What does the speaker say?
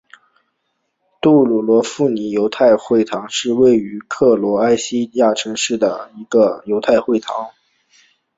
杜布罗夫尼克犹太会堂是位于克罗埃西亚城市杜布罗夫尼克的一座犹太会堂。